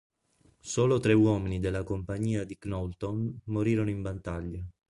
Solo tre uomini della Compagnia di Knowlton morirono in battaglia.